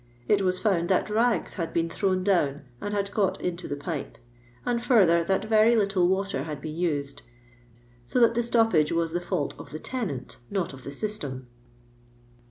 It waa found that lags had been thrown down and had got into the pipe ; and further, that very little water had been used, so that the stoppage waa the fisult of the tenant, not of the system.'